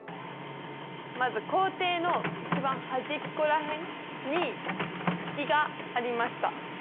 まず校庭の一番端っこら辺にフキがありました。